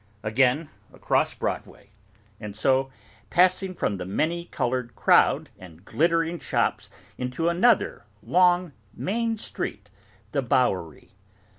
Again across Broadway, and so—passing from the many coloured crowd and glittering shops—into another long main street, the Bowery.